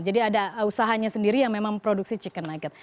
jadi ada usahanya sendiri yang memang produksi chicken nugget